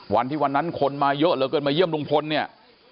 วันที่วันนั้นคนมาเยอะเยอะเกินมาเยี่ยมรุงพลเนี่ย